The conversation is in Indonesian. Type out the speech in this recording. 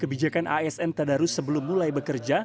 kebijakan asn tadarus sebelum mulai bekerja